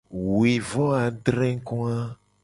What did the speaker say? Wuivoadregoa.